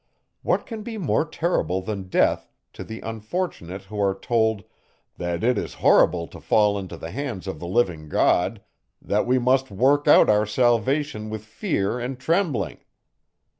What can be more terrible than death, to the unfortunate who are told, _that it is horrible to fall into the hands of the living God; that we must work out our salvation with fear and trembling!